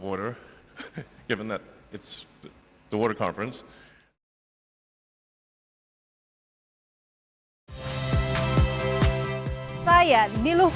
karena ini adalah pemerintah air